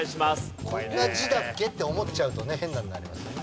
こんな字だっけ？って思っちゃうとね変なのになりますね。